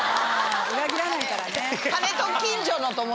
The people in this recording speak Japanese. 裏切らないからね。